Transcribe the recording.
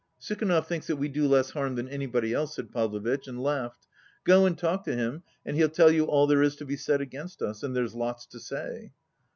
"Sukhanov thinks tjiat we do less harm than anybody else," said Pavlovitch, and laughed. "Go and talk to him and he'll tell you all there is to be said against us. And there's lots to say."